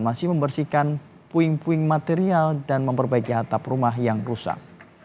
masih membersihkan puing puing material dan memperbaiki atap rumah yang rusak